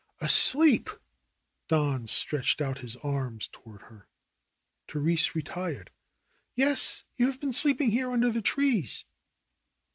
"Asleep !" Don stretched out his arms toward her. Therese retired. "Yes, you have been sleeping here under the trees."